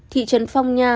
thị trấn phong nha